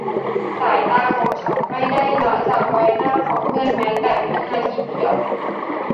สายตาของเขาไม่ได้ละจากใบหน้าของเพื่อนแม้แต่วินาทีเดียว